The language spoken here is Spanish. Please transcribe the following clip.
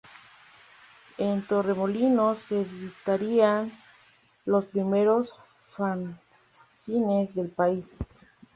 En Torremolinos se editarían los primeros fanzines del país.